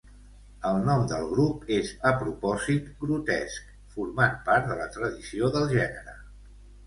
El nom del grup és a propòsit grotesc, formant part de la tradició del gènere.